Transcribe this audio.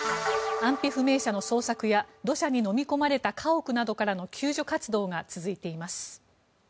安否不明者の捜索や土砂にのみ込まれた家屋などからの救助活動が続いています。